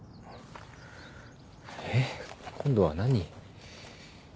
えっ今度は何？